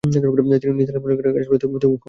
নিসার আলি বললেন, গাছপালা তুমি খুব ভালবাস, তাই না?